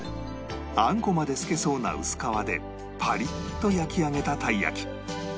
あんこまで透けそうな薄皮でパリッと焼き上げたたい焼き